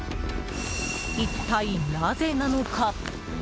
一体なぜなのか？